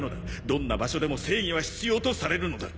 どんな場所でも正義は必要とされるのだ。